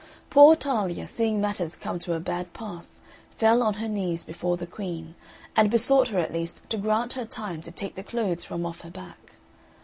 Poor Talia, seeing matters come to a bad pass, fell on her knees before the Queen, and besought her at least to grant her time to take the clothes from off her back.